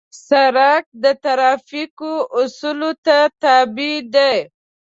سړک د ترافیکو اصولو ته تابع دی.